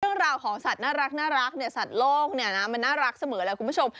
เรื่องราวของสัตว์น่ารักเนี่ยสัตว์โลกเนี่ยนะมันน่ารักเสมอแล้วคุณผู้ชม